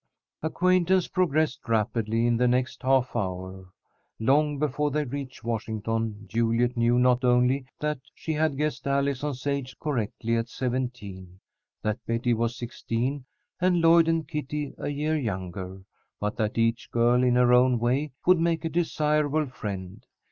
Acquaintance progressed rapidly in the next half hour. Long before they reached Washington, Juliet knew, not only that she had guessed Allison's age correctly at seventeen, that Betty was sixteen, and Lloyd and Kitty a year younger, but that each girl in her own way would make a desirable friend.